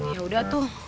ya udah tuh